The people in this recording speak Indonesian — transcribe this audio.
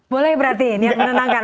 boleh berarti niat menenangkan